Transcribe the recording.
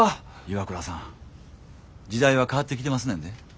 岩倉さん時代は変わってきてますねんで。